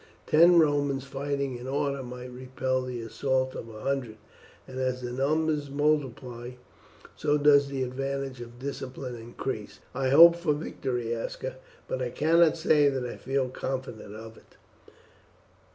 Ten Romans fighting in order might repel the assault of a hundred, and as the numbers multiply so does the advantage of discipline increase. I hope for victory, Aska, but I cannot say that I feel confident of it."